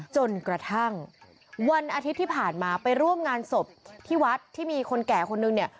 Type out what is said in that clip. จนกระทั่งวันอาทิตย์ที่ผ่านมาไปร่วมงานศพที่วัดที่มีคนแก่คนนึงเนี่ย